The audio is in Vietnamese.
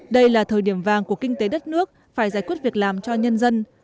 đây là thời điểm vàng của kinh tế đất nước phải giải quyết việc làm cho nhân dân